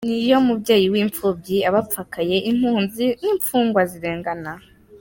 Ni yo mubyeyi w’imfubyi, abapfakaye, impunzi, n’imfungwa zirengana.